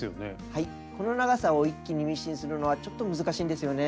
はいこの長さを一気にミシンするのはちょっと難しいんですよね。